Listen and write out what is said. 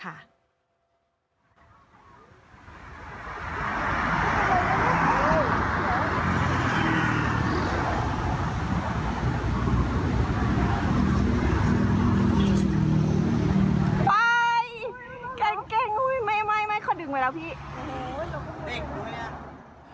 ว้ายเกร็งไม่ขอดึงไปแล้วพี่